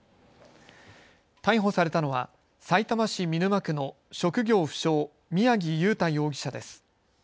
逮捕されたのはさいたま市見沼区の職業不詳、宮城祐太容疑者です。